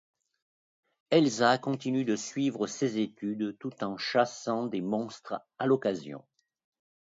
Elsa continue de suivre ses études tout en chassant des monstres à l'occasion.